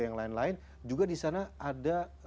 yang lain lain juga disana ada